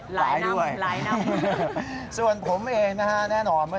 ไปตั้งไหนมากหยังแน่